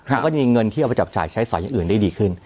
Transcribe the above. เขาก็จะมีเงินที่เอาไปจับจ่ายใช้สอยอย่างอื่นได้ดีขึ้น